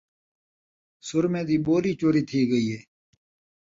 سرمے دی ٻوری چوری تھی ڳئی ہے